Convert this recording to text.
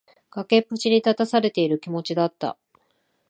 崖っぷちに立たされている気持ちだった。